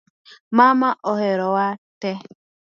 Mama oherowa te